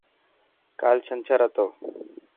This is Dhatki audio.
ڪال چنڇر هتو.